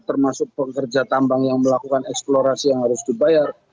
termasuk pekerja tambang yang melakukan eksplorasi yang harus dibayar